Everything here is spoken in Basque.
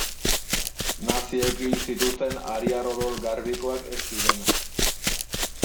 Naziek hil zituzten ariar odol garbikoak ez zirenak.